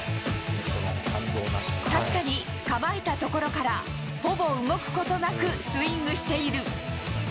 確かに構えた所から、ほぼ動くことなくスイングしている。